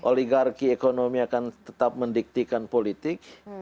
oligarki ekonomi akan tetap mendiktikan politik